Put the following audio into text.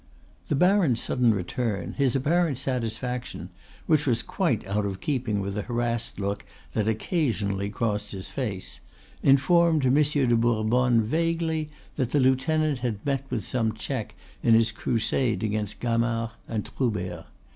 The baron's sudden return, his apparent satisfaction, which was quite out of keeping with a harassed look that occasionally crossed his face, informed Monsieur de Bourbonne vaguely that the lieutenant had met with some check in his crusade against Gamard and Troubert.